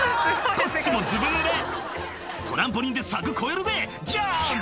こっちもずぶぬれ「トランポリンで柵越えるぜジャンプ！」